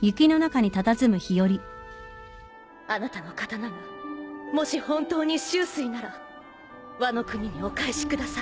あなたの刀がもし本当に秋水ならワノ国にお返しください